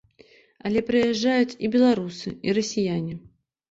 Але прыязджаюць і беларусы, і расіяне.